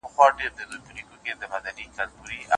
که نور دیده برد نور دیده از یعقوب